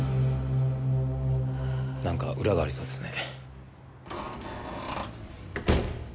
なんか裏がありそうですね。